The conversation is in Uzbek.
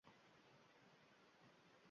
Husaynn Istambuldan tahsilni tamomlab kelgach